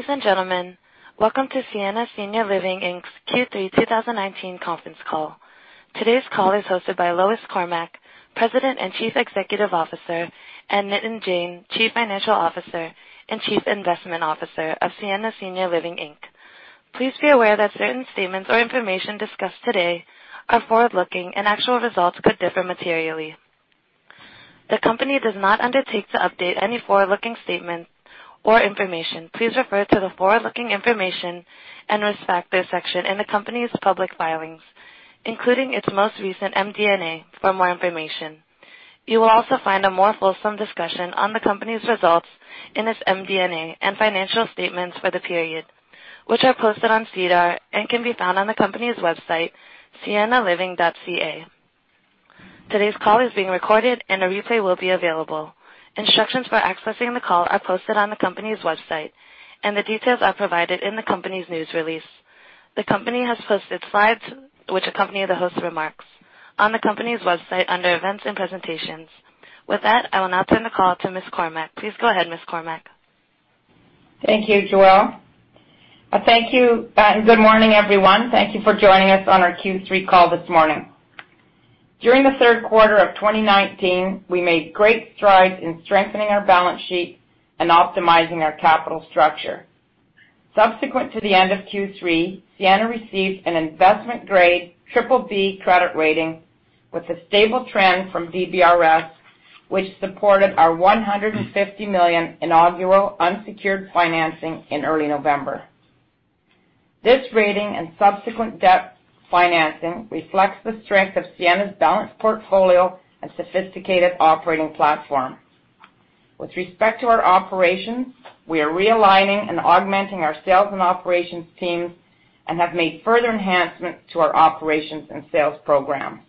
Ladies and gentlemen, welcome to Sienna Senior Living Inc.'s Q3 2019 conference call. Today's call is hosted by Lois Cormack, President and Chief Executive Officer, and Nitin Jain, Chief Financial Officer and Chief Investment Officer of Sienna Senior Living Inc. Please be aware that certain statements or information discussed today are forward-looking and actual results could differ materially. The company does not undertake to update any forward-looking statements or information. Please refer to the forward-looking information and risk factor section in the company's public filings, including its most recent MD&A for more information. You will also find a more fulsome discussion on the company's results in its MD&A and financial statements for the period, which are posted on SEDAR and can be found on the company's website, siennaliving.ca. Today's call is being recorded and a replay will be available. Instructions for accessing the call are posted on the company's website, and the details are provided in the company's news release. The company has posted slides which accompany the host remarks on the company's website under events and presentations. With that, I will now turn the call to Ms. Cormack. Please go ahead, Ms. Cormack. Thank you, Joelle. Thank you. Good morning, everyone. Thank you for joining us on our Q3 call this morning. During the third quarter of 2019, we made great strides in strengthening our balance sheet and optimizing our capital structure. Subsequent to the end of Q3, Sienna received an investment-grade BBB credit rating with a stable trend from DBRS, which supported our 150 million inaugural unsecured financing in early November. This rating and subsequent debt financing reflects the strength of Sienna's balanced portfolio and sophisticated operating platform. With respect to our operations, we are realigning and augmenting our sales and operations teams and have made further enhancements to our operations and sales programs.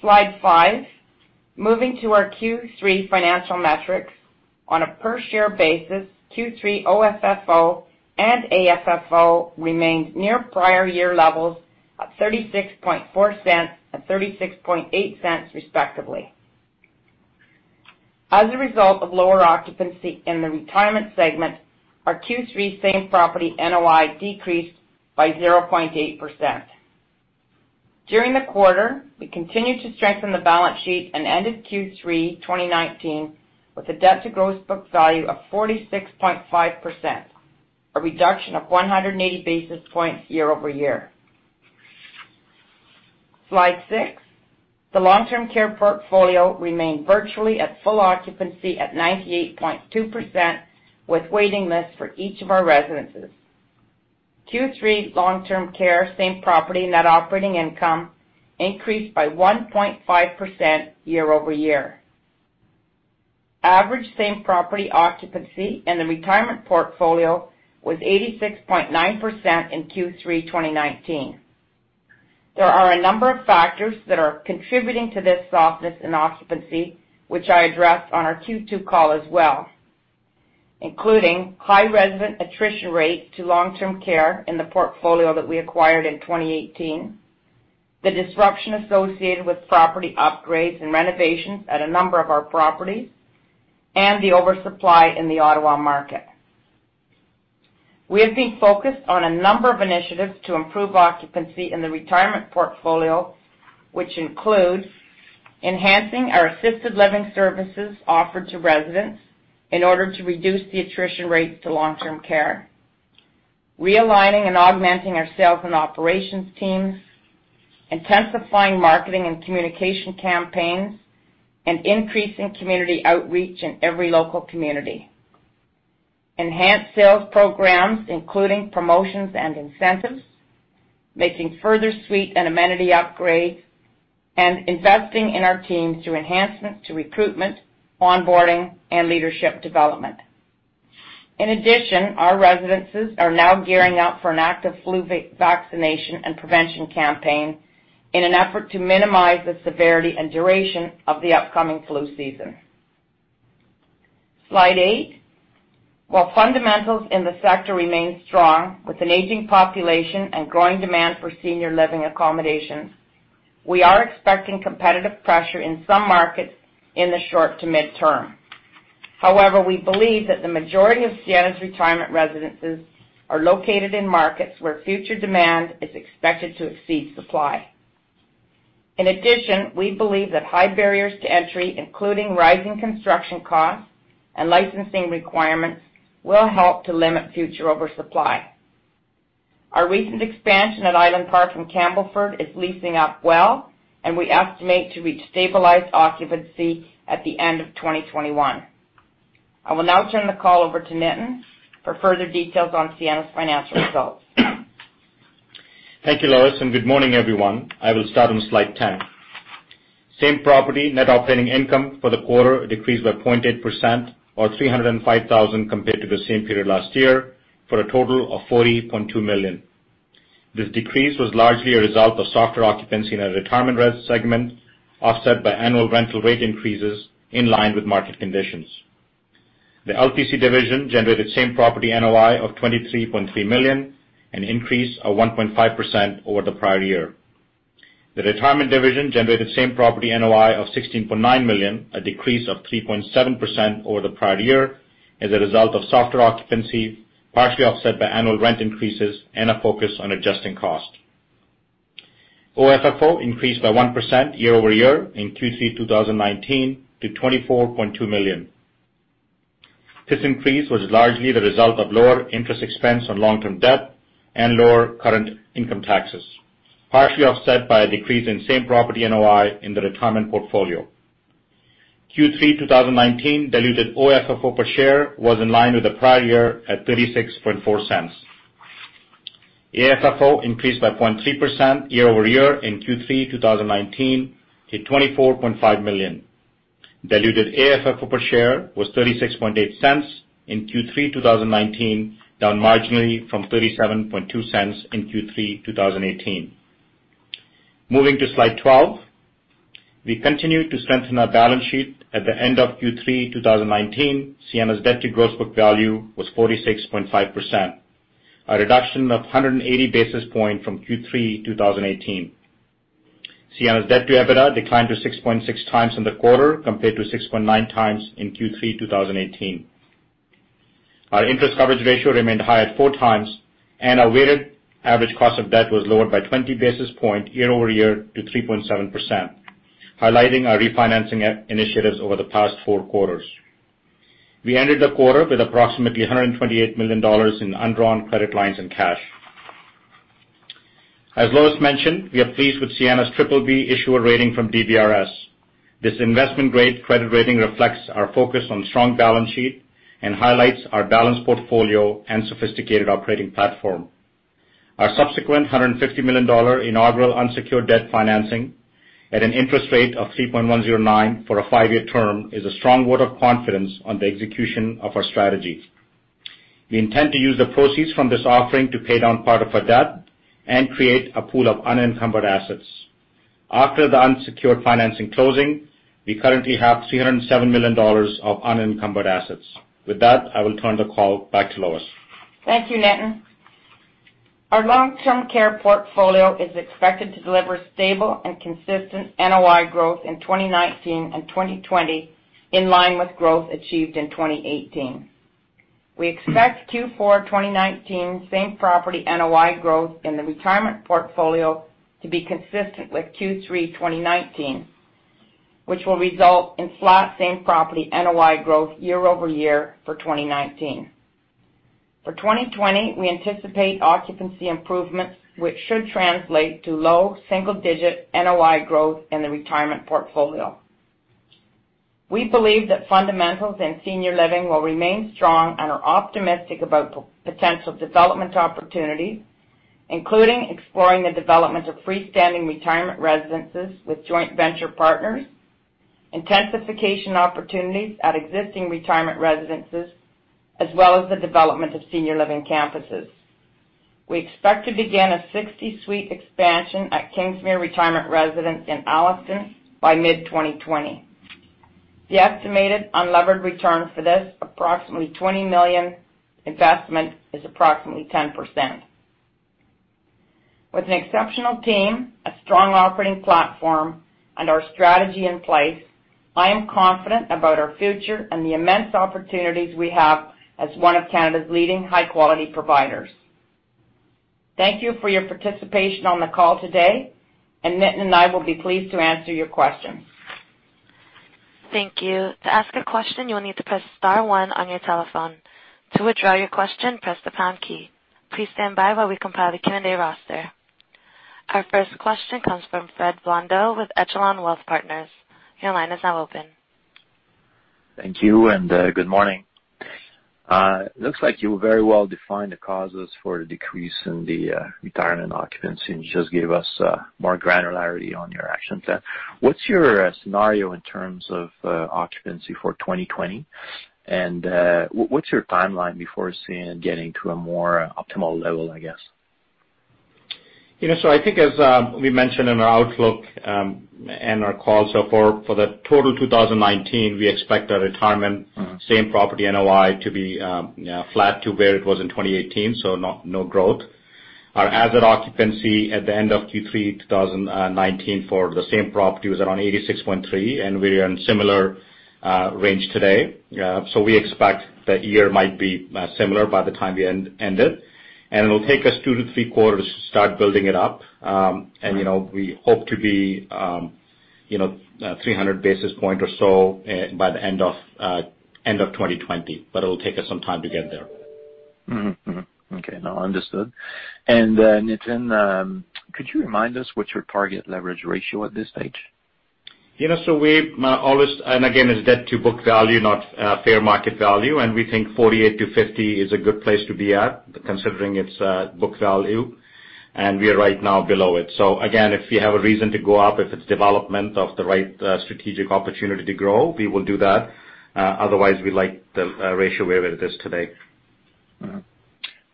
Slide five. Moving to our Q3 financial metrics. On a per-share basis, Q3 OFFO and AFFO remained near prior year levels of 0.364 and 0.368 respectively. As a result of lower occupancy in the retirement segment, our Q3 same-property NOI decreased by 0.8%. During the quarter, we continued to strengthen the balance sheet and ended Q3 2019 with a debt to gross book value of 46.5%, a reduction of 180 basis points year-over-year. Slide six. The long-term care portfolio remained virtually at full occupancy at 98.2% with waiting lists for each of our residences. Q3 long-term care same-property net operating income increased by 1.5% year-over-year. Average same-property occupancy in the retirement portfolio was 86.9% in Q3 2019. There are a number of factors that are contributing to this softness in occupancy, which I addressed on our Q2 call as well, including high resident attrition rate to long-term care in the portfolio that we acquired in 2018, the disruption associated with property upgrades and renovations at a number of our properties, and the oversupply in the Ottawa market. We have been focused on a number of initiatives to improve occupancy in the retirement portfolio, which include enhancing our assisted living services offered to residents in order to reduce the attrition rates to long-term care, realigning and augmenting our sales and operations teams, intensifying marketing and communication campaigns, and increasing community outreach in every local community, enhance sales programs, including promotions and incentives, making further suite and amenity upgrades, and investing in our teams through enhancements to recruitment, onboarding, and leadership development. In addition, our residences are now gearing up for an active flu vaccination and prevention campaign in an effort to minimize the severity and duration of the upcoming flu season. Slide eight. While fundamentals in the sector remain strong with an aging population and growing demand for senior living accommodations, we are expecting competitive pressure in some markets in the short to midterm. However, we believe that the majority of Sienna's retirement residences are located in markets where future demand is expected to exceed supply. In addition, we believe that high barriers to entry, including rising construction costs and licensing requirements, will help to limit future oversupply. Our recent expansion at Island Park in Campbellford is leasing up well, and we estimate to reach stabilized occupancy at the end of 2021. I will now turn the call over to Nitin for further details on Sienna's financial results. Thank you, Lois, and good morning, everyone. I will start on slide 10. Same-property net operating income for the quarter decreased by 0.8% or 305,000 compared to the same period last year for a total of 40.2 million. This decrease was largely a result of softer occupancy in our retirement res segment, offset by annual rental rate increases in line with market conditions. The LTC division generated same-property NOI of 23.3 million, an increase of 1.5% over the prior year. The retirement division generated same-property NOI of 16.9 million, a decrease of 3.7% over the prior year as a result of softer occupancy, partially offset by annual rent increases and a focus on adjusting cost. OFFO increased by 1% year-over-year in Q3 2019 to 24.2 million. This increase was largely the result of lower interest expense on long-term debt and lower current income taxes, partially offset by a decrease in same-property NOI in the retirement portfolio. Q3 2019 diluted OFFO per share was in line with the prior year at 0.364. AFFO increased by 0.3% year-over-year in Q3 2019 to 24.5 million. Diluted AFFO per share was 0.368 in Q3 2019, down marginally from 0.372 in Q3 2018. Moving to slide 12. We continued to strengthen our balance sheet. At the end of Q3 2019, Sienna's debt to gross book value was 46.5%, a reduction of 180 basis points from Q3 2018. Sienna's debt to EBITDA declined to 6.6 times in the quarter compared to 6.9 times in Q3 2018. Our interest coverage ratio remained high at four times, and our weighted average cost of debt was lowered by 20 basis points year-over-year to 3.7%, highlighting our refinancing initiatives over the past four quarters. We ended the quarter with approximately 128 million dollars in undrawn credit lines and cash. As Lois mentioned, we are pleased with Sienna's BBB issuer rating from DBRS. This investment-grade credit rating reflects our focus on strong balance sheet and highlights our balanced portfolio and sophisticated operating platform. Our subsequent 150 million dollar inaugural unsecured debt financing at an interest rate of 3.109 for a five-year term is a strong vote of confidence on the execution of our strategy. We intend to use the proceeds from this offering to pay down part of our debt and create a pool of unencumbered assets. After the unsecured financing closing, we currently have 307 million dollars of unencumbered assets. With that, I will turn the call back to Lois. Thank you, Nitin. Our long-term care portfolio is expected to deliver stable and consistent NOI growth in 2019 and 2020, in line with growth achieved in 2018. We expect Q4 2019 same-property NOI growth in the retirement portfolio to be consistent with Q3 2019, which will result in flat same-property NOI growth year-over-year for 2019. For 2020, we anticipate occupancy improvements, which should translate to low single-digit NOI growth in the retirement portfolio. We believe that fundamentals in senior living will remain strong and are optimistic about potential development opportunities, including exploring the development of freestanding retirement residences with joint venture partners, intensification opportunities at existing retirement residences, as well as the development of senior living campuses. We expect to begin a 60-suite expansion at Kingsmere Retirement Residence in Alliston by mid-2020. The estimated unlevered return for this approximately 20 million investment is approximately 10%. With an exceptional team, a strong operating platform, and our strategy in place, I am confident about our future and the immense opportunities we have as one of Canada's leading high-quality providers. Thank you for your participation on the call today, and Nitin and I will be pleased to answer your questions. Thank you. To ask a question, you will need to press *1 on your telephone. To withdraw your question, press the # key. Please stand by while we compile the Q&A roster. Our first question comes from Fred Blondeau with Echelon Wealth Partners. Your line is now open. Thank you, and good morning. Looks like you very well defined the causes for the decrease in the retirement occupancy, and you just gave us more granularity on your action plan. What's your scenario in terms of occupancy for 2020? What's your timeline before seeing it getting to a more optimal level, I guess? I think as we mentioned in our outlook and our calls, for the total 2019, we expect our retirement same-property NOI to be flat to where it was in 2018, no growth. Our asset occupancy at the end of Q3 2019 for the same property was around 86.3%, we are in a similar range today. We expect the year might be similar by the time we end it. It'll take us two to three quarters to start building it up. We hope to be 300 basis points or so by the end of 2020. It'll take us some time to get there. Okay, no, understood. Nitin, could you remind us what's your target leverage ratio at this stage? Again, it's debt to book value, not fair market value. We think 48%-50% is a good place to be at, considering it's book value. We are right now below it. Again, if we have a reason to go up, if it's development of the right strategic opportunity to grow, we will do that. Otherwise, we like the ratio where it is today.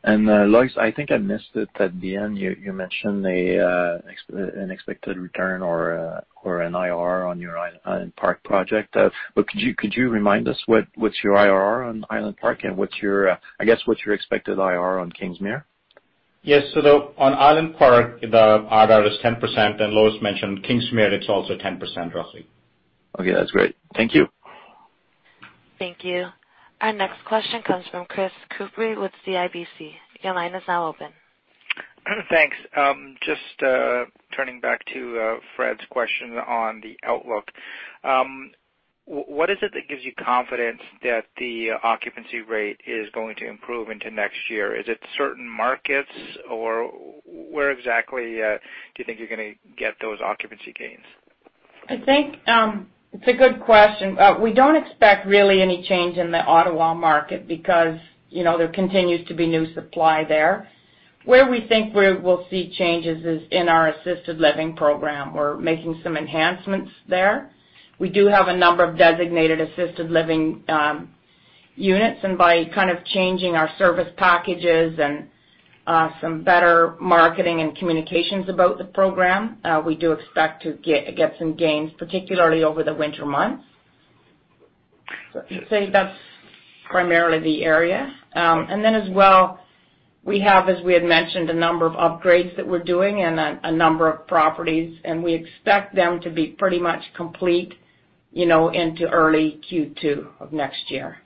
Lois, I think I missed it at the end, you mentioned an expected return or an IRR on your Island Park project. Could you remind us what's your IRR on Island Park and what's your, I guess, what's your expected IRR on Kingsmere? Yes. On Island Park, the IRR is 10%, and Lois mentioned Kingsmere, it's also 10% roughly. Okay. That's great. Thank you. Thank you. Our next question comes from Chris Cooper with CIBC. Your line is now open. Thanks. Just turning back to Fred's question on the outlook. What is it that gives you confidence that the occupancy rate is going to improve into next year? Is it certain markets, or where exactly do you think you're going to get those occupancy gains? I think it's a good question. We don't expect really any change in the Ottawa market because there continues to be new supply there. Where we think we'll see changes is in our assisted living program. We're making some enhancements there. We do have a number of designated assisted living units, and by kind of changing our service packages and some better marketing and communications about the program, we do expect to get some gains, particularly over the winter months. I'd say that's primarily the area. Then as well, we have, as we had mentioned, a number of upgrades that we're doing in a number of properties, and we expect them to be pretty much complete into early Q2 of next year.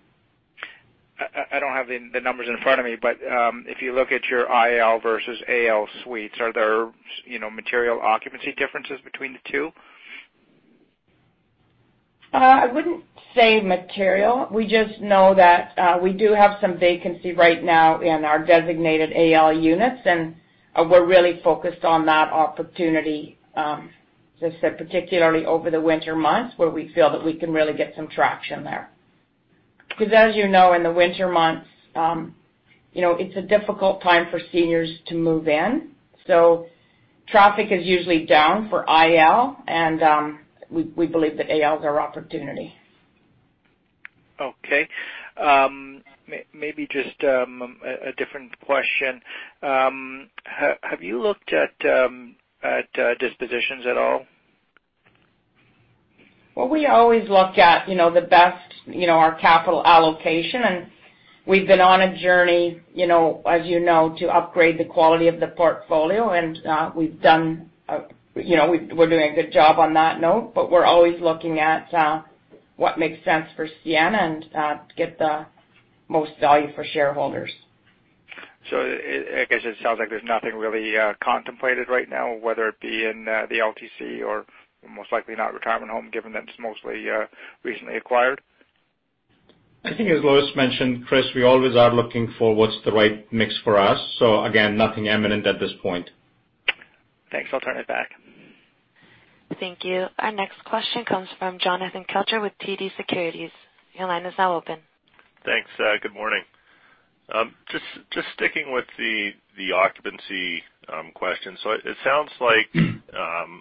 I don't have the numbers in front of me, but if you look at your IL versus AL suites, are there material occupancy differences between the two? I wouldn't say material. We just know that we do have some vacancy right now in our designated AL units, and we're really focused on that opportunity, as I said, particularly over the winter months where we feel that we can really get some traction there. Because as you know, in the winter months, it's a difficult time for seniors to move in. Traffic is usually down for IL and, we believe that AL is our opportunity. Okay. Maybe just a different question. Have you looked at dispositions at all? We always look at the best, our capital allocation, and we've been on a journey as you know, to upgrade the quality of the portfolio, and we're doing a good job on that note. We're always looking at what makes sense for Sienna and to get the most value for shareholders. I guess it sounds like there's nothing really contemplated right now, whether it be in the LTC or most likely not retirement home, given that it's mostly recently acquired. I think as Lois mentioned, Chris, we always are looking for what's the right mix for us. Again, nothing imminent at this point. Thanks. I'll turn it back. Thank you. Our next question comes from Jonathan Kelcher with TD Securities. Your line is now open. Thanks. Good morning. Just sticking with the occupancy question. It sounds like,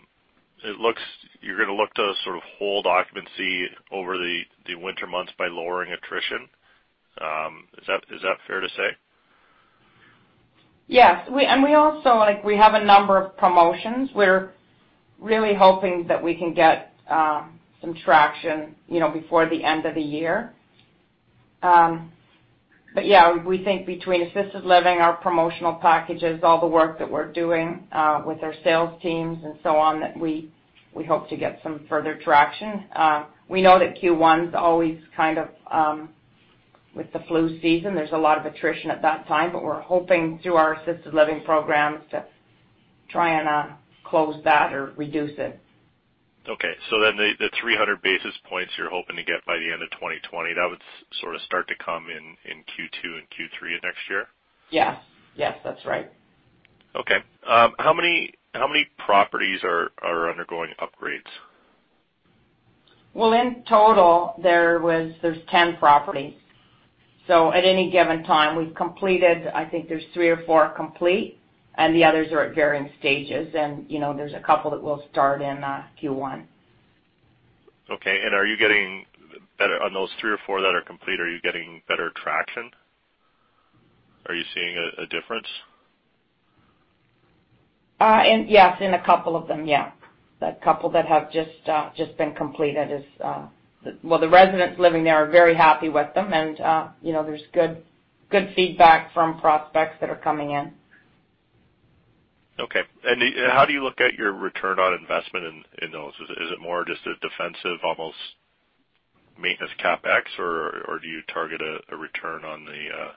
you're going to look to sort of hold occupancy over the winter months by lowering attrition. Is that fair to say? Yes. We also have a number of promotions. We're really hoping that we can get some traction before the end of the year. Yeah, we think between assisted living, our promotional packages, all the work that we're doing with our sales teams and so on, that we hope to get some further traction. We know that Q1's always kind of, with the flu season, there's a lot of attrition at that time, but we're hoping through our assisted living programs to try and close that or reduce it. Okay. The 300 basis points you're hoping to get by the end of 2020, that would sort of start to come in Q2 and Q3 of next year? Yes. That's right. Okay. How many properties are undergoing upgrades? Well, in total, there's 10 properties. At any given time, we've completed, I think there's three or four complete, and the others are at varying stages. There's a couple that we'll start in Q1. Okay. On those three or four that are complete, are you getting better traction? Are you seeing a difference? Yes. In a couple of them, yeah. Well, the residents living there are very happy with them and there's good feedback from prospects that are coming in. Okay. How do you look at your return on investment in those? Is it more just a defensive, almost maintenance CapEx, or do you target a return on the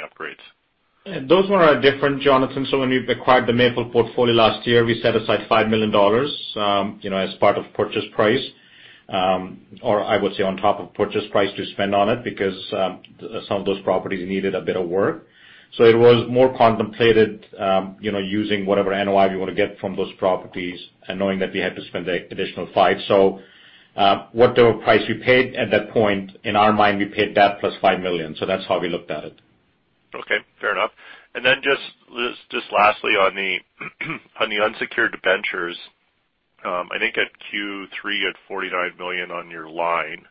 upgrades? Those were different, Jonathan. When we acquired the Maple portfolio last year, we set aside 5 million dollars, as part of purchase price, or I would say on top of purchase price to spend on it because some of those properties needed a bit of work. It was more contemplated using whatever NOI we want to get from those properties and knowing that we had to spend the additional 5. Whatever price we paid at that point, in our mind, we paid that plus 5 million. That's how we looked at it. Okay, fair enough. Just lastly on the unsecured debentures, I think at Q3 you had 49 million on your line.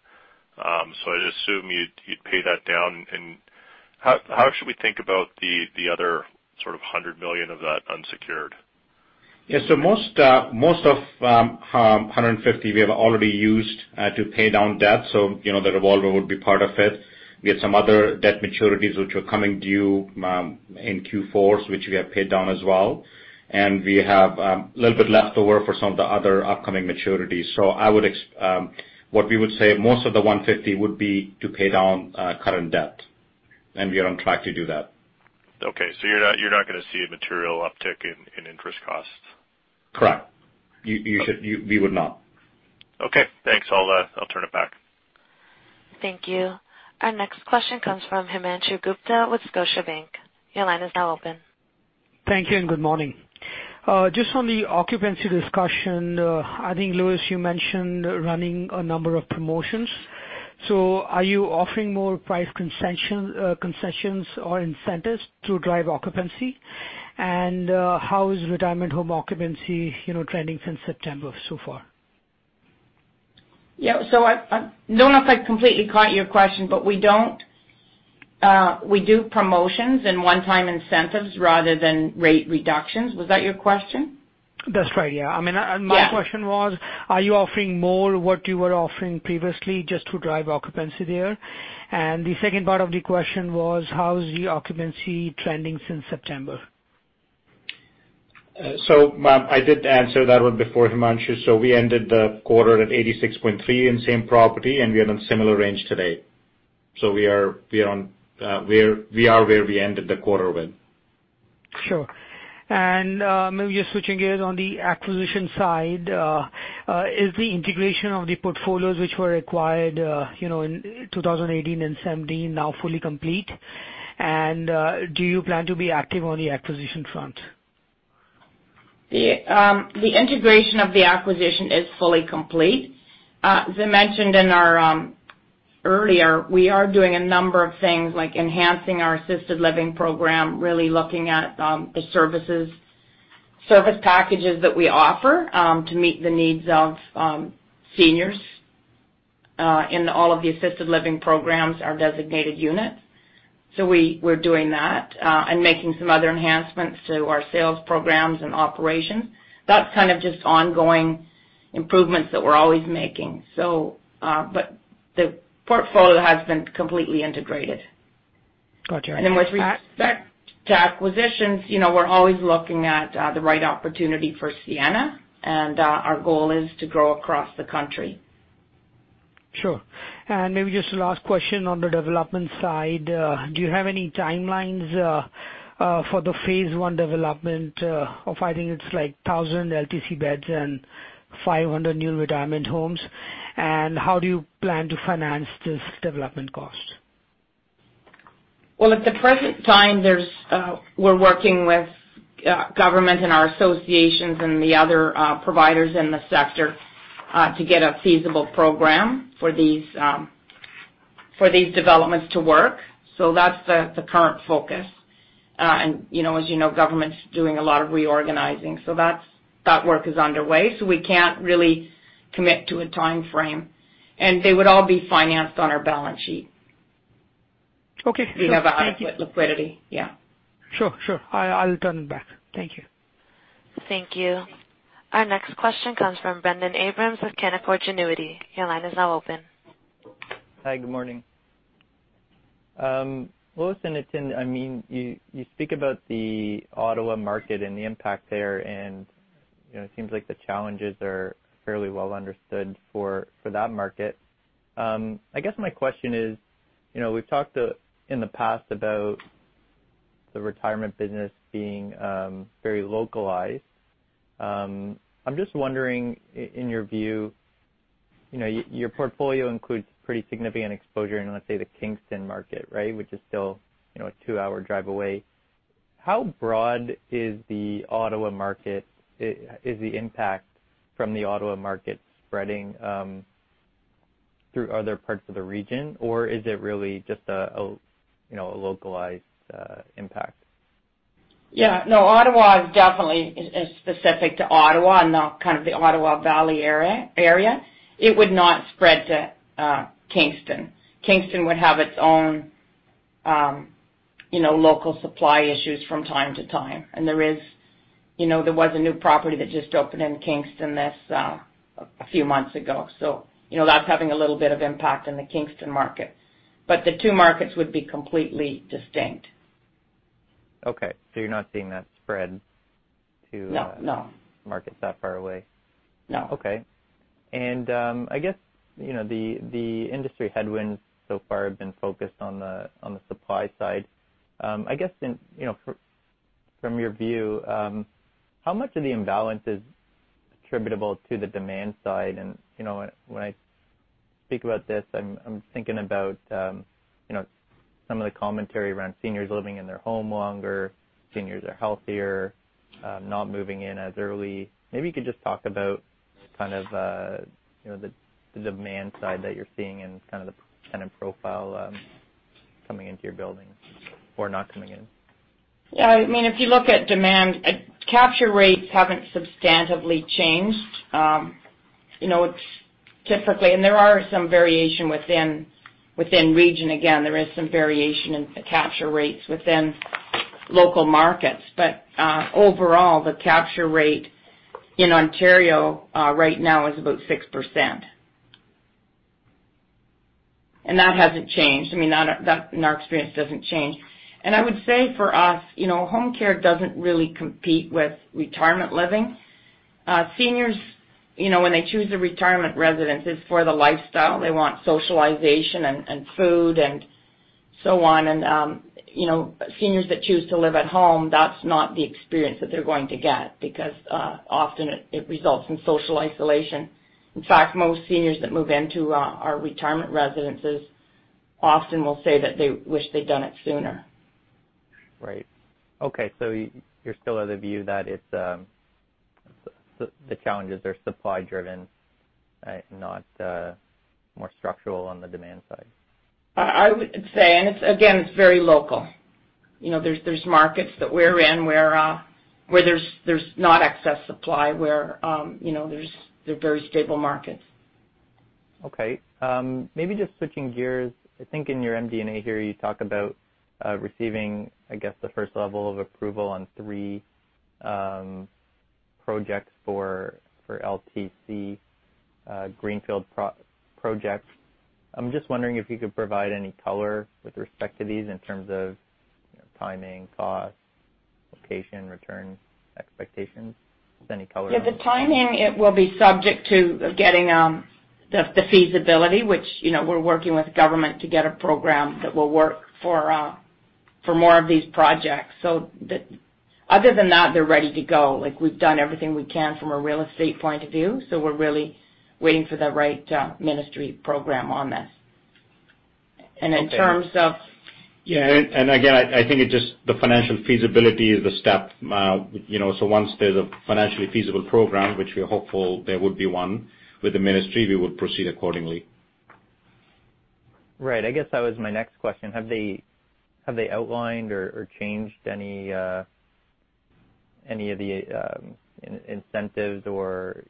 I'd assume you'd pay that down. How should we think about the other sort of 100 million of that unsecured? Most of 150 we have already used to pay down debt, the revolver would be part of it. We had some other debt maturities which were coming due in Q4, which we have paid down as well. We have a little bit left over for some of the other upcoming maturities. What we would say, most of the 150 would be to pay down current debt, and we are on track to do that. Okay. You're not going to see a material uptick in interest costs? Correct. We would not. Okay, thanks. I'll turn it back. Thank you. Our next question comes from Himanshu Gupta with Scotiabank. Your line is now open. Thank you and good morning. Just on the occupancy discussion, I think, Lois, you mentioned running a number of promotions. Are you offering more price concessions or incentives to drive occupancy? How is retirement home occupancy trending since September so far? Yeah. I don't know if I completely caught your question, but we do promotions and one-time incentives rather than rate reductions. Was that your question? That's right, yeah. Yeah. My question was, are you offering more what you were offering previously just to drive occupancy there? The second part of the question was, how is the occupancy trending since September? I did answer that one before, Himanshu. We ended the quarter at 86.3 in same property, and we are in a similar range today. We are where we ended the quarter with. Sure. Maybe just switching gears on the acquisition side. Is the integration of the portfolios which were acquired in 2018 and 2017 now fully complete? Do you plan to be active on the acquisition front? The integration of the acquisition is fully complete. As I mentioned earlier, we are doing a number of things like enhancing our assisted living program, really looking at the service packages that we offer to meet the needs of seniors in all of the assisted living programs, our designated units. We're doing that and making some other enhancements to our sales programs and operations. That's kind of just ongoing improvements that we're always making. The portfolio has been completely integrated. Got you. With respect to acquisitions, we're always looking at the right opportunity for Sienna, and our goal is to grow across the country. Sure. Maybe just the last question on the development side. Do you have any timelines for the phase one development of, I think it's 1,000 LTC beds and 500 new retirement homes? How do you plan to finance this development cost? Well, at the present time, we're working with government and our associations and the other providers in the sector to get a feasible program for these developments to work. That's the current focus. As you know, government's doing a lot of reorganizing, that work is underway. We can't really commit to a timeframe. They would all be financed on our balance sheet. Okay. We have adequate liquidity, yeah. Sure. I'll turn it back. Thank you. Thank you. Our next question comes from Brendon Abrams with Canaccord Genuity. Your line is now open. Hi, good morning. Lois and Nitin, you speak about the Ottawa market and the impact there, and it seems like the challenges are fairly well understood for that market. I guess my question is, we've talked in the past about the retirement business being very localized. I'm just wondering, in your view, your portfolio includes pretty significant exposure in, let's say, the Kingston market, right, which is still a two-hour drive away. How broad is the impact from the Ottawa market spreading through other parts of the region? Or is it really just a localized impact? Yeah. No, Ottawa is definitely specific to Ottawa and not kind of the Ottawa Valley area. It would not spread to Kingston. Kingston would have its own local supply issues from time to time. There was a new property that just opened in Kingston a few months ago, that's having a little bit of impact in the Kingston market. The two markets would be completely distinct. Okay. you're not seeing that spread. No markets that far away? No. Okay. I guess, the industry headwinds so far have been focused on the supply side. I guess from your view, how much of the imbalance is attributable to the demand side? When I speak about this, I'm thinking about some of the commentary around seniors living in their home longer, seniors are healthier, not moving in as early. Maybe you could just talk about kind of the demand side that you're seeing and the kind of profile coming into your buildings or not coming in. Yeah, if you look at demand, capture rates haven't substantively changed. There are some variation within region, again, there is some variation in the capture rates within local markets. Overall, the capture rate in Ontario right now is about 6%. That hasn't changed. In our experience, it doesn't change. I would say for us, home care doesn't really compete with retirement living. Seniors, when they choose a retirement residence, it's for the lifestyle. They want socialization and food and so on. Seniors that choose to live at home, that's not the experience that they're going to get because often it results in social isolation. In fact, most seniors that move into our retirement residences often will say that they wish they'd done it sooner. Right. Okay. You're still of the view that the challenges are supply driven, right, not more structural on the demand side. I would say. Again, it's very local. There's markets that we're in where there's not excess supply, where they're very stable markets. Okay. Maybe just switching gears, I think in your MD&A here, you talk about receiving, I guess, the first level of approval on three projects for LTC greenfield projects. I'm just wondering if you could provide any color with respect to these in terms of timing, cost, location, return expectations. Just any color on those. Yeah, the timing, it will be subject to getting the feasibility, which we're working with government to get a program that will work for more of these projects. Other than that, they're ready to go. We've done everything we can from a real estate point of view, so we're really waiting for the right ministry program on this. Okay. And in terms of- Again, I think the financial feasibility is the step. Once there's a financially feasible program, which we are hopeful there would be one with the ministry, we would proceed accordingly. Right. I guess that was my next question. Have they outlined or changed any of the incentives or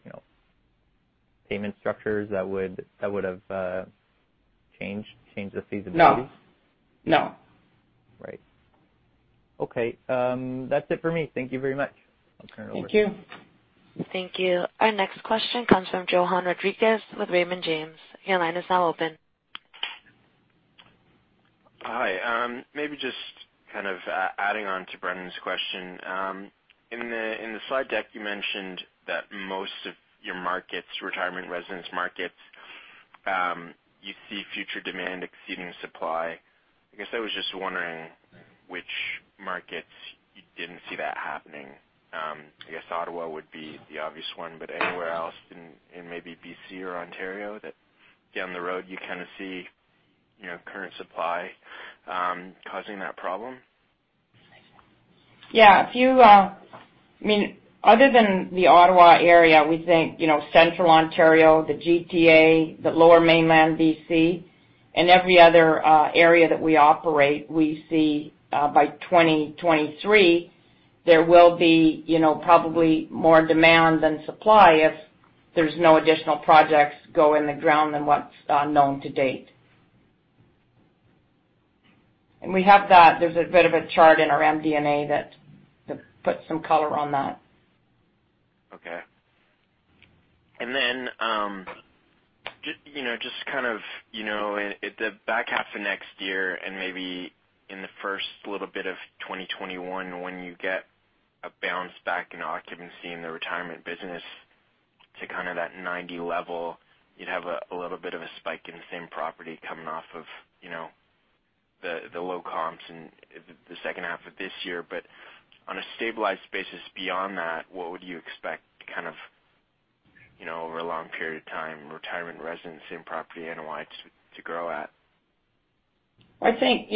payment structures that would have changed the feasibility? No. Right. Okay. That's it for me. Thank you very much. I'll turn it over. Thank you. Thank you. Our next question comes from Johann Rodrigues with Raymond James. Your line is now open. Hi. Maybe just kind of adding on to Brendon's question. In the slide deck, you mentioned that most of your markets, retirement residence markets, you see future demand exceeding supply. I guess I was just wondering which markets you didn't see that happening. I guess Ottawa would be the obvious one, but anywhere else in maybe B.C. or Ontario that down the road you kind of see current supply causing that problem? Yeah. Other than the Ottawa area, we think Central Ontario, the GTA, the Lower Mainland B.C., and every other area that we operate, we see by 2023, there will be probably more demand than supply if there's no additional projects go in the ground than what's known to date. We have that. There's a bit of a chart in our MD&A that puts some color on that. Okay. Then, just kind of in the back half of next year and maybe in the first little bit of 2021, when you get a bounce back in occupancy in the retirement business to kind of that 90 level, you'd have a little bit of a spike in same property coming off of the low comps in the second half of this year. On a stabilized basis beyond that, what would you expect over a long period of time, retirement residence same property NOI to grow at? I think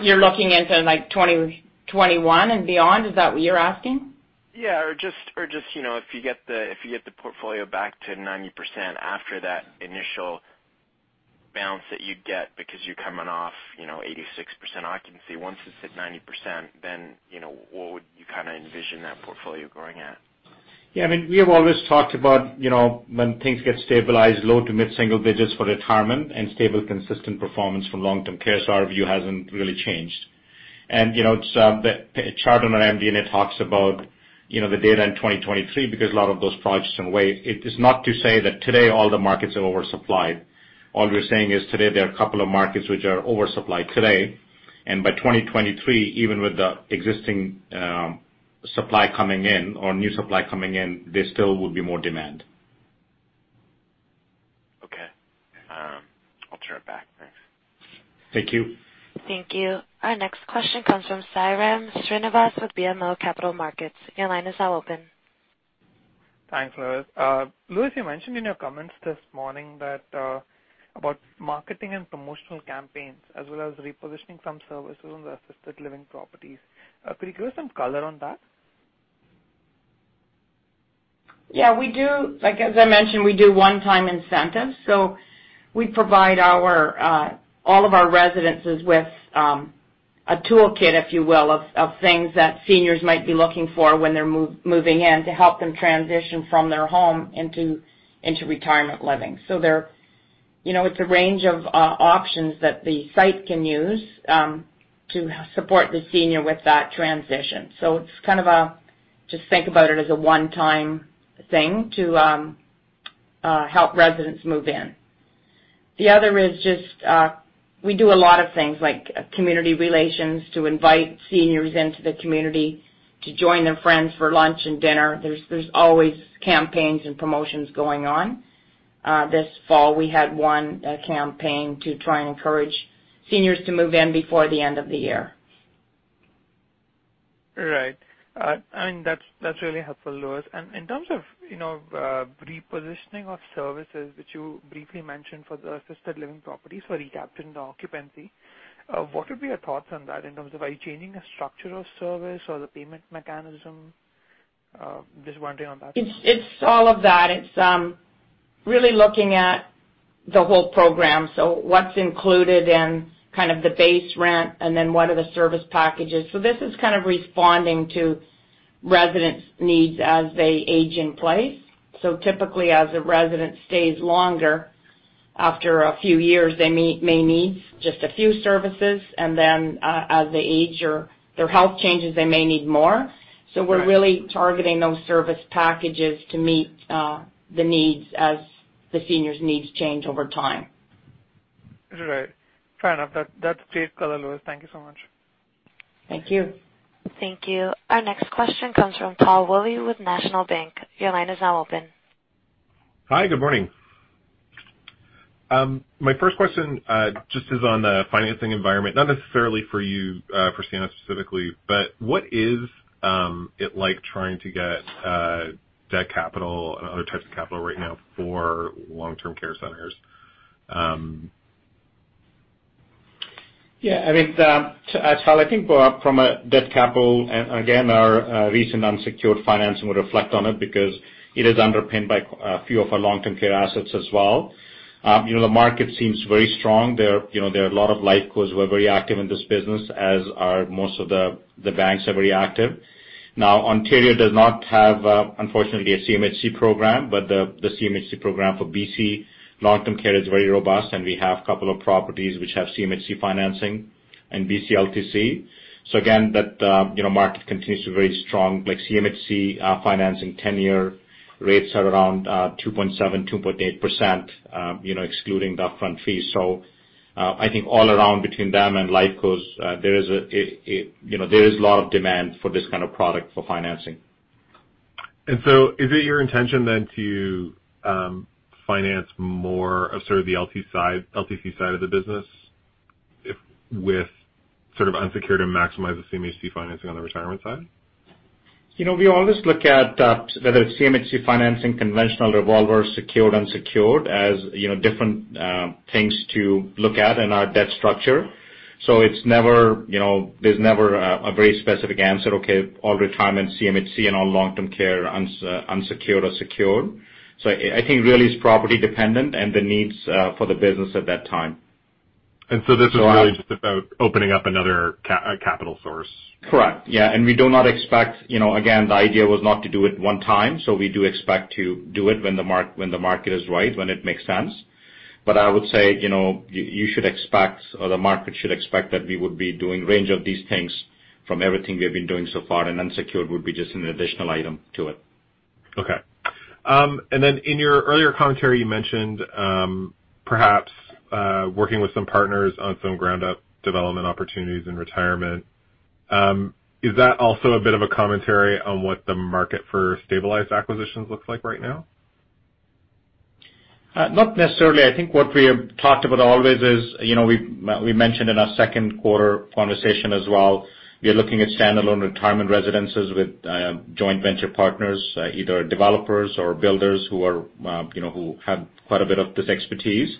you're looking into 2021 and beyond. Is that what you're asking? Yeah, just if you get the portfolio back to 90% after that initial bounce that you get because you're coming off 86% occupancy. Once it's at 90%, what would you kind of envision that portfolio growing at? We have always talked about when things get stabilized, low to mid-single digits for retirement and stable, consistent performance for long-term care. Our view hasn't really changed. The chart on our MD&A talks about the data in 2023 because a lot of those projects are underway. It is not to say that today all the markets are oversupplied. All we're saying is today there are a couple of markets which are oversupplied today, and by 2023, even with the existing supply coming in or new supply coming in, there still would be more demand. Okay. I'll turn it back. Thanks. Thank you. Thank you. Our next question comes from Sairam Srinivas with BMO Capital Markets. Your line is now open. Thanks, Lois. Lois, you mentioned in your comments this morning about marketing and promotional campaigns as well as repositioning some services on the assisted living properties. Could you give us some color on that? As I mentioned, we do one-time incentives. We provide all of our residences with a toolkit, if you will, of things that seniors might be looking for when they're moving in to help them transition from their home into retirement living. It's a range of options that the site can use to support the senior with that transition. Just think about it as a one-time thing to help residents move in. The other is just, we do a lot of things like community relations to invite seniors into the community to join their friends for lunch and dinner. There's always campaigns and promotions going on. This fall, we had one campaign to try and encourage seniors to move in before the end of the year. Right. That's really helpful, Lois. In terms of repositioning of services, which you briefly mentioned for the assisted living properties for recapturing the occupancy, what would be your thoughts on that in terms of are you changing the structure of service or the payment mechanism? Just wondering on that. It's all of that. It's really looking at the whole program. What's included in kind of the base rent, and then what are the service packages. This is kind of responding to residents' needs as they age in place. Typically, as a resident stays longer, after a few years, they may need just a few services, and then as they age or their health changes, they may need more. Right. We're really targeting those service packages to meet the needs as the seniors' needs change over time. Right. Fair enough. That's clear as a bell, Lois. Thank you so much. Thank you. Thank you. Our next question comes from Tal Woolley with National Bank. Your line is now open. Hi. Good morning. My first question just is on the financing environment, not necessarily for you, for Sienna specifically, but what is it like trying to get debt capital and other types of capital right now for long-term care centers? Yeah. Tal, I think from a debt capital, and again, our recent unsecured financing would reflect on it because it is underpinned by a few of our long-term care assets as well. The market seems very strong. There are a lot of life companies who are very active in this business, as are most of the banks are very active. Ontario does not have, unfortunately, a CMHC program, but the CMHC program for BC Long-Term Care is very robust, and we have a couple of properties which have CMHC financing and BC LTC. Again, that market continues to be very strong, like CMHC financing 10-year rates are around 2.7%, 2.8%, excluding the upfront fees. I think all around between them and life companies, there is a lot of demand for this kind of product for financing. Is it your intention then to finance more of sort of the LTC side of the business with sort of unsecured and maximize the CMHC financing on the retirement side? We always look at whether it's CMHC financing, conventional revolver, secured, unsecured as different things to look at in our debt structure. There's never a very specific answer, okay, all retirement CMHC and all long-term care unsecured or secured. I think really it's property dependent and the needs for the business at that time. This is really just about opening up another capital source. Correct. Yeah. We do not expect, again, the idea was not to do it one time, we do expect to do it when the market is right, when it makes sense. I would say, you should expect or the market should expect that we would be doing a range of these things from everything we've been doing so far, and unsecured would be just an additional item to it. Okay. In your earlier commentary, you mentioned, perhaps, working with some partners on some ground-up development opportunities in retirement. Is that also a bit of a commentary on what the market for stabilized acquisitions looks like right now? Not necessarily. I think what we have talked about always is, we mentioned in our second quarter conversation as well, we are looking at standalone retirement residences with joint venture partners, either developers or builders who have quite a bit of this expertise.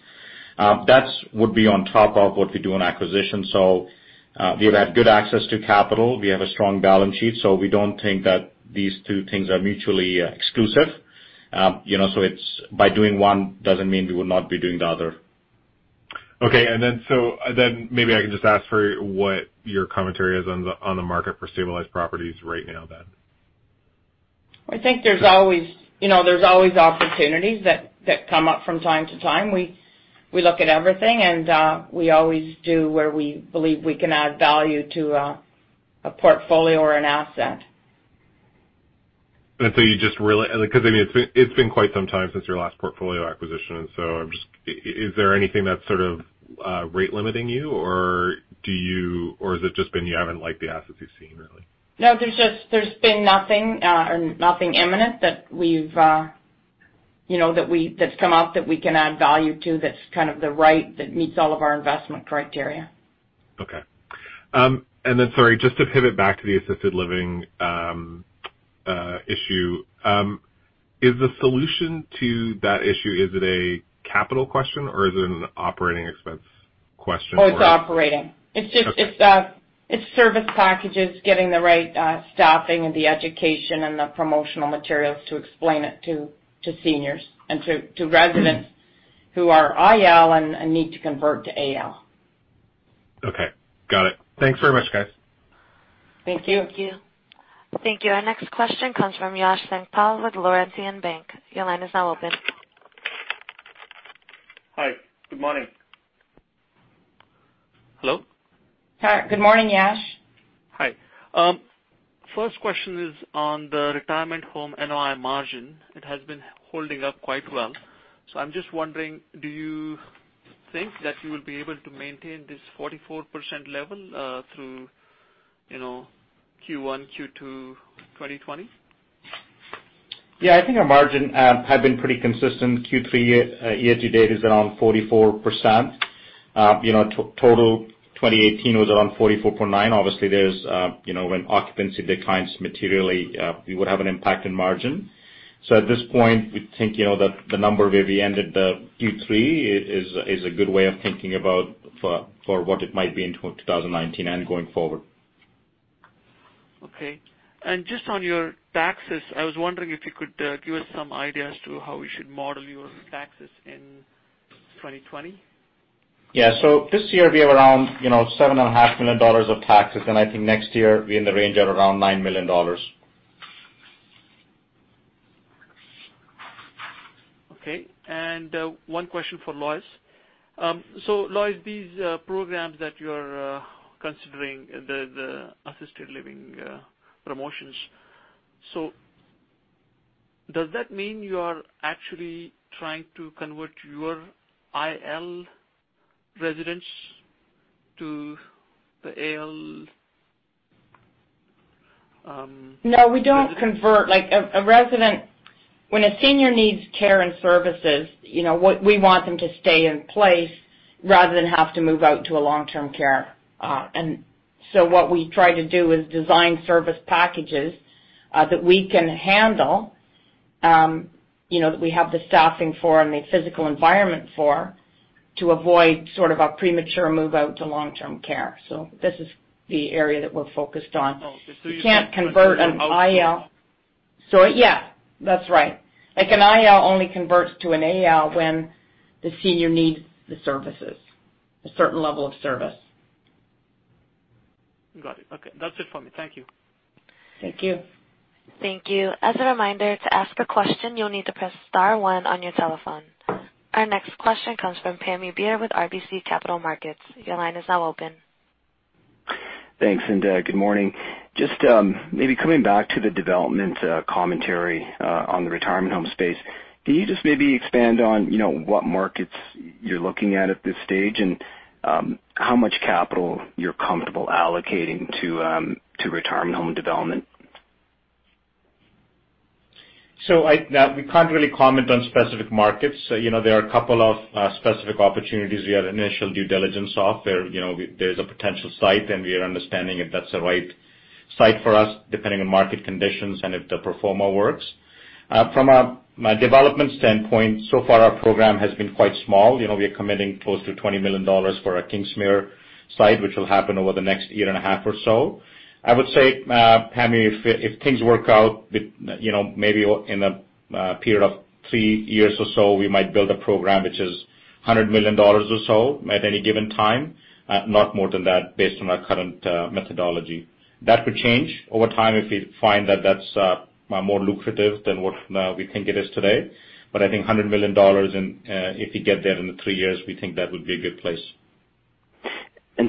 That would be on top of what we do on acquisition. We have good access to capital. We have a strong balance sheet, we don't think that these two things are mutually exclusive. By doing one doesn't mean we would not be doing the other. Okay. Maybe I can just ask for what your commentary is on the market for stabilized properties right now then? I think there's always opportunities that come up from time to time. We look at everything, and we always do where we believe we can add value to a portfolio or an asset. Because it's been quite some time since your last portfolio acquisition. Is there anything that's sort of rate limiting you? Is it just been you haven't liked the assets you've seen, really? No, there's been nothing or nothing imminent that's come up that we can add value to that's kind of the right, that meets all of our investment criteria. Okay. Sorry, just to pivot back to the assisted living issue. Is the solution to that issue, is it a capital question, or is it an operating expense question? Oh, it's operating. Okay. It's service packages, getting the right staffing and the education and the promotional materials to explain it to seniors and to residents who are IL and need to convert to AL. Okay. Got it. Thanks very much, guys. Thank you. Thank you. Thank you. Our next question comes from Yash Sankpal with Laurentian Bank. Your line is now open. Hi. Good morning. Hello? Hi. Good morning, Yash. Hi. First question is on the retirement home NOI margin. It has been holding up quite well. I'm just wondering, do you think that you will be able to maintain this 44% level, through Q1, Q2 2020? Yeah, I think our margin has been pretty consistent. Q3 year-to-date is around 44%. Total 2018 was around 44.9%. Obviously, when occupancy declines materially, we would have an impact in margin. At this point, we think that the number where we ended the Q3 is a good way of thinking about for what it might be in 2019 and going forward. Okay. Just on your taxes, I was wondering if you could give us some idea as to how we should model your taxes in 2020. Yeah. This year we have around 7.5 million dollars of taxes, and I think next year, be in the range of around CAD 9 million. Okay. One question for Lois. Lois, these programs that you're considering, the assisted living promotions, so does that mean you are actually trying to convert your IL residents to the AL? We don't convert. When a senior needs care and services, we want them to stay in place rather than have to move out to a long-term care. What we try to do is design service packages, that we can handle, that we have the staffing for and the physical environment for to avoid sort of a premature move out to long-term care. This is the area that we're focused on. Oh, so you're saying- You can't convert an IL. Yeah. That's right. An IL only converts to an AL when the senior needs the services, a certain level of service. Got it. Okay. That's it for me. Thank you. Thank you. Thank you. As a reminder, to ask a question, you'll need to press star one on your telephone. Our next question comes from Pam Bir with RBC Capital Markets. Your line is now open. Thanks, good morning. Just maybe coming back to the development commentary, on the retirement home space, can you just maybe expand on what markets you're looking at at this stage and how much capital you're comfortable allocating to retirement home development? We can't really comment on specific markets. There are a couple of specific opportunities we had initial due diligence of. There's a potential site, and we are understanding if that's the right site for us, depending on market conditions and if the pro forma works. From a development standpoint, so far our program has been quite small. We are committing close to 20 million dollars for our Kingsmere site, which will happen over the next year and a half or so. I would say, Pam, if things work out, maybe in a period of three years or so, we might build a program which is 100 million dollars or so at any given time. Not more than that, based on our current methodology. That could change over time if we find that that's more lucrative than what we think it is today. I think 100 million dollars, and if we get there in the three years, we think that would be a good place.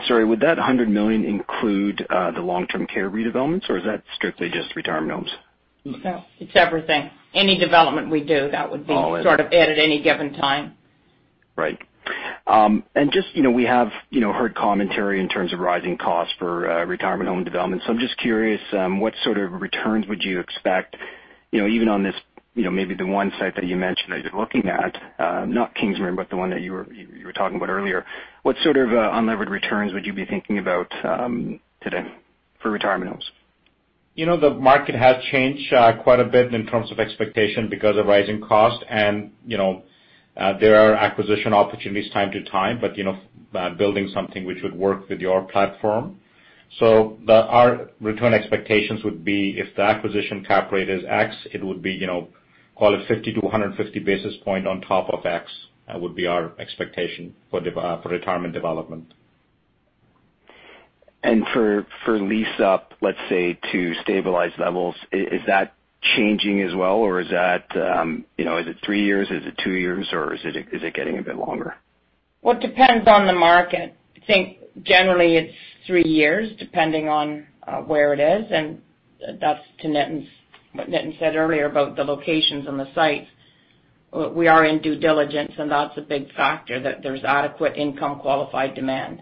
Sorry, would that 100 million include the long-term care redevelopments, or is that strictly just retirement homes? No, it's everything. Any development we do. Oh sort of added any given time. Right. We have heard commentary in terms of rising costs for retirement home development, so I'm just curious, what sort of returns would you expect, even on maybe the one site that you mentioned that you're looking at, not Kingsmere, but the one that you were talking about earlier. What sort of unlevered returns would you be thinking about today for retirement homes? The market has changed quite a bit in terms of expectation because of rising cost, and there are acquisition opportunities time to time, but building something which would work with your platform. Our return expectations would be if the acquisition cap rate is X, it would be, call it 50 to 150 basis point on top of X, would be our expectation for retirement development. For lease-up, let's say, to stabilized levels, is that changing as well? Is it three years, is it two years, or is it getting a bit longer? Well, it depends on the market. I think generally it's three years, depending on where it is. That's what Nitin said earlier about the locations and the sites. We are in due diligence. That's a big factor, that there's adequate income-qualified demand.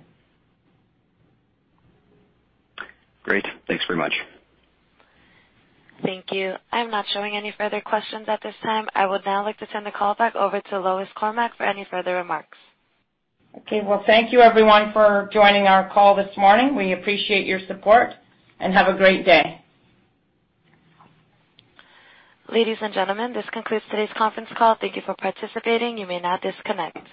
Great. Thanks very much. Thank you. I'm not showing any further questions at this time. I would now like to turn the call back over to Lois Cormack for any further remarks. Okay. Well, thank you everyone for joining our call this morning. We appreciate your support, and have a great day. Ladies and gentlemen, this concludes today's conference call. Thank you for participating. You may now disconnect.